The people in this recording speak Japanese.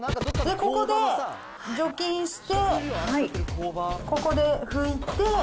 ここで除菌して、ここで拭いて。